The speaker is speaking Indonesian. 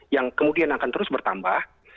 yang kemudian akan terus bertambah